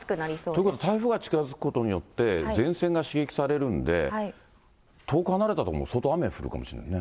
ということは台風が近づくことによって、前線が刺激されるんで、遠く離れた所も相当雨降るかもしれませんね。